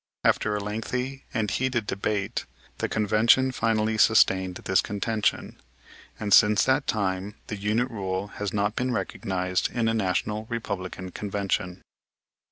After a lengthy and heated debate the convention finally sustained this contention, and since that time the unit rule has not been recognized in a National Republican Convention.